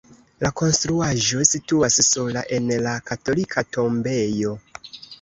La konstruaĵo situas sola en la katolika tombejo.